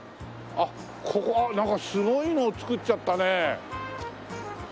あっここなんかすごいの造っちゃったね。